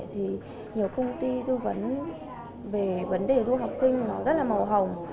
thì nhiều công ty tư vấn về vấn đề du học sinh rất là màu hồng